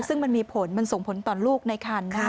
ซึ่งมันมีผลมันส่งผลต่อลูกในคัน